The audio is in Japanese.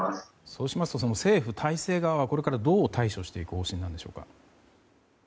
そうしますと政府体制側はこれからどう対処していく方針なんでしょうか。